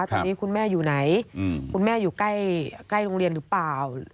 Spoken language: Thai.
ตอนนี้คุณแม่อยู่ไหนคุณแม่อยู่ใกล้โรงเรียนหรือเปล่า